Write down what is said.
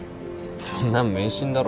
そんなん迷信だろ。